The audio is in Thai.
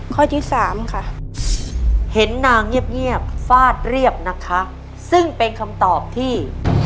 ข้อที่สามค่ะเห็นนางเงียบเงียบฟาดเรียบนะคะซึ่งเป็นคำตอบที่